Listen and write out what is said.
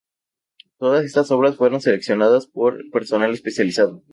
Todas estas obras fueron seleccionadas por personal especializado.